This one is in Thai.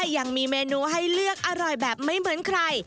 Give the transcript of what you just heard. ยังมีเมนูให้เลือกอร่อยแบบไม่เหมือนใคร